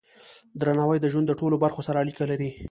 درناوی د ژوند د ټولو برخو سره اړیکه لري.